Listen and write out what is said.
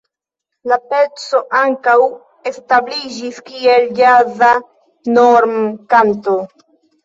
La peco ankaŭ establiĝis kiel ĵaza normkanto.